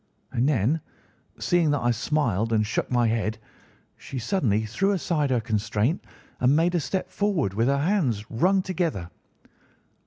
And then, seeing that I smiled and shook my head, she suddenly threw aside her constraint and made a step forward, with her hands wrung together.